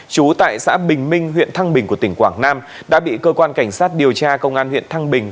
chú tại xã bình minh huyện thăng bình của tỉnh quảng nam đã bị cơ quan cảnh sát điều tra công an huyện thăng bình